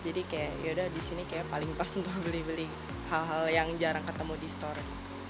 jadi kayak yaudah di sini kayak paling pas untuk beli beli hal hal yang jarang ketemu di store